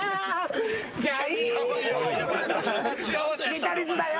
見取り図だよ。